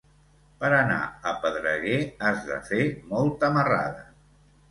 Per anar a Pedreguer has de fer molta marrada.